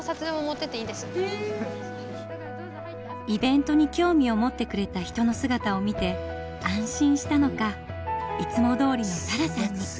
イベントに興味を持ってくれた人の姿を見て安心したのかいつもどおりのサラさんに。